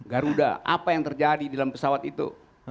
garuda apa yang terjadi di dalam pesawat itu